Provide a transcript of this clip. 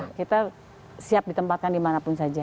nah kita siap ditempatkan dimanapun saja